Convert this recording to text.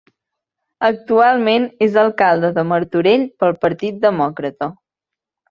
Actualment és alcalde de Martorell pel Partit Demòcrata.